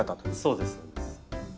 そうですそうです。